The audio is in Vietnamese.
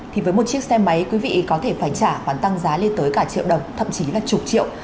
thì với một chiếc xe máy quý vị có thể phải trả khoản tăng giá lên tới cả triệu đồng thậm chí là chục triệu